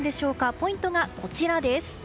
ポイントがこちらです。